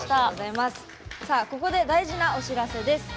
ここで大事なお知らせです。